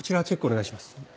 お願いします。